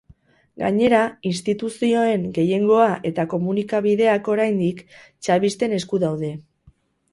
Gainera, instituzioen gehiengoa eta komunikabideak, oraindik, chavisten esku daude.